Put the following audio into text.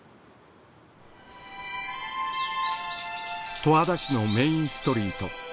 十和田市のメインストリート。